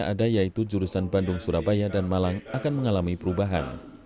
yang ada yaitu jurusan bandung surabaya dan malang akan mengalami perubahan